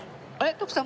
徳さん